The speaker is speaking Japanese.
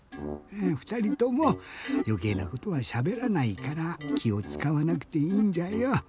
ふたりともよけいなことはしゃべらないからきをつかわなくていいんじゃよ。